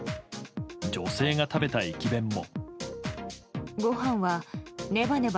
女性が食べた駅弁も。